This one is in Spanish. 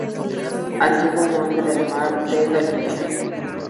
Antiguo nombre del mar de Galilea.